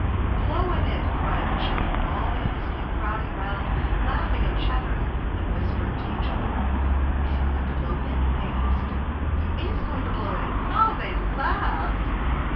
"Blow in it," cried the children; and all the others came crowding round, laughing and chattering and whispering to each other. "Is he going to blow in it?" they asked. "He is going to blow in it." How they laughed!